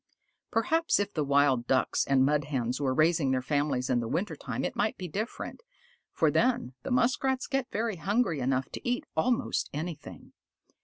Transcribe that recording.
Perhaps if the Wild Ducks and the Mud Hens were raising their families in the winter time it might be different, for then the Muskrats get hungry enough to eat almost anything.